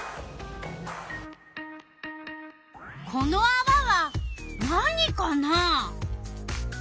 このあわは何かな？